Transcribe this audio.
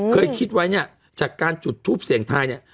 เคยคิดไว้เนี่ยจากการจุดทูปเสียงทายเนี่ย